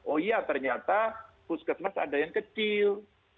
oh iya ternyata puskesmas ada yang kecil